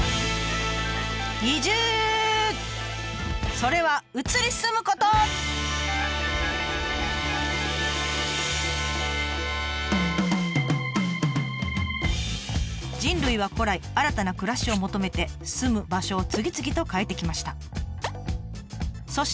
それは人類は古来新たな暮らしを求めて住む場所を次々と変えてきました。